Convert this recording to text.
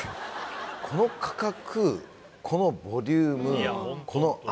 この価格このボリュームこの味